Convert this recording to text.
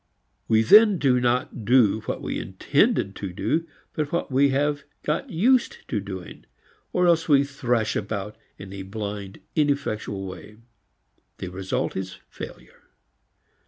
We then do not do what we intended to do but what we have got used to doing, or else we thrash about in a blind ineffectual way. The result is failure.